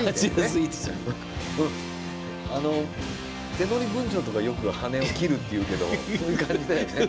手乗り文鳥とかよく羽を切るっていうけどそういう感じだよね。